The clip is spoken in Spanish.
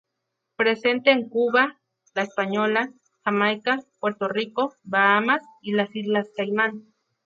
Presente en Cuba, La Española, Jamaica, Puerto Rico, Bahamas y las Islas Caimán.